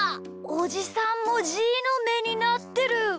おじさんもじーのめになってる！